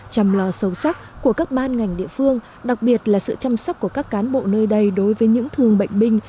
chăm lo sâu sắc của các ban ngành địa phương đặc biệt là sự chăm sóc của các cán bộ nơi đây đối với những thương bệnh binh